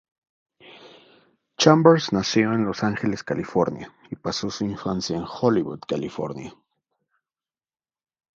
Chambers nació en Los Angeles, California y pasó su infancia en Hollywood, California.